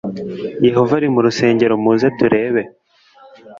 Yehova ari mu rusengero muze turebe